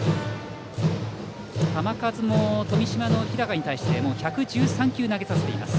球数も富島の日高に対してもう１１３球、投げさせています。